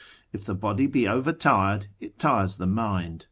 If the body be overtired, it tires the mind.